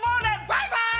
バイバイ！